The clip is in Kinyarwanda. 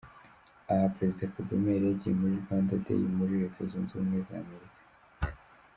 Aha Perezida Kagame yari yagiye muri Rwanda Day muri Leta Zunze Ubumwe za Amerika.